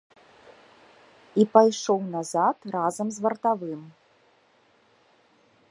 І пайшоў назад разам з вартавым.